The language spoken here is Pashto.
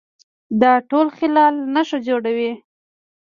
دا ټول خلل نښه جوړوي